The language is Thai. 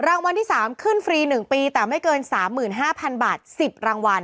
รางวัลที่๓ขึ้นฟรี๑ปีแต่ไม่เกิน๓๕๐๐๐บาท๑๐รางวัล